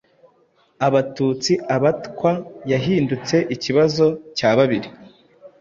Abatutsi, Abatwa yahindutse ikibazo cya babiri: